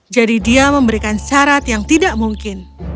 jadi dia memberikan syarat yang tidak mungkin